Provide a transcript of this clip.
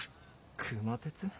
熊徹？